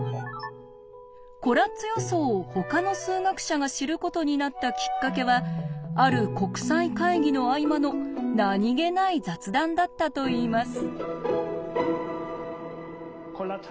コラッツ予想をほかの数学者が知ることになったきっかけはある国際会議の合間の何気ない雑談だったといいます。